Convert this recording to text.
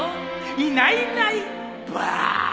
いないいないばぁ！